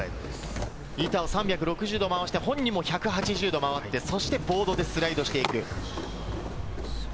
板を３６０度まわして、本人も１８０度、回して、そしてボードでスライドしていく。